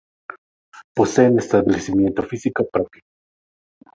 Poseen establecimiento físico propio.